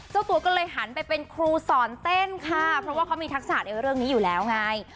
เจ้าตัวก็เลยหันไปเป็นครูสอนเต้นค่ะเพราะว่าเขามีทักษะในเรื่องนี้อยู่แล้วไง